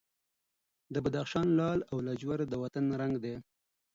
د بدخشان لعل او لاجورد د وطن رنګ دی.